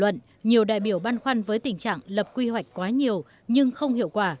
một đại biểu băn khoăn với tình trạng lập quy hoạch quá nhiều nhưng không hiệu quả